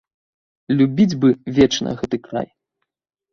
Любіць бы вечна гэты край.